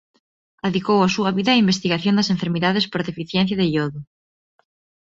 Adicou a súa vida á investigación das enfermidades por deficiencia de iodo.